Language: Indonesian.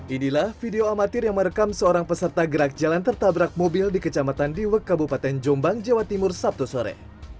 inilah video amatir yang merekam seorang peserta gerak jalan tertabrak mobil di kecamatan diwek kabupaten jombang jawa timur sabtu sore